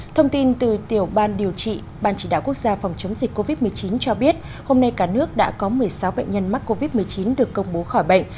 thông tin từ tiểu ban điều trị ban chỉ đạo quốc gia phòng chống dịch covid một mươi chín cho biết hôm nay cả nước đã có một mươi sáu bệnh nhân mắc covid một mươi chín được công bố khỏi bệnh